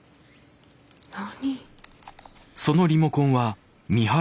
何？